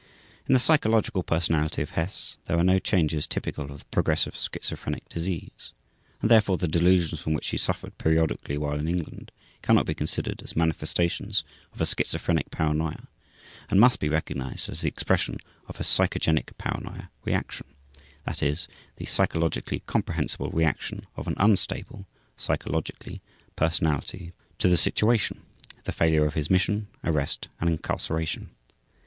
In the psychological personality of Hess there are no changes typical of the progressive schizophrenic disease, and therefore the delusions, from which he suffered periodically while in England, cannot be considered as manifestations of a schizophrenic paranoia, and must be recognized as the expression of a psychogenic paranoia reaction, that is, the psychologically comprehensible reaction of an unstable (psychologically) personality to the situation (the failure of his mission, arrest, and incarceration).